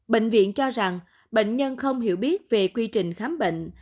bệnh viện cho rằng bệnh nhân không hiểu biết về quy trình khám bệnh